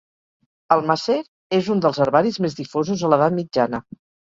El Macer és un dels herbaris més difosos a l'edat mitjana.